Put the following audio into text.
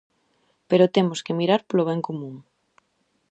Pero temos que mirar polo ben común.